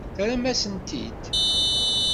Terramt-asen-t-id.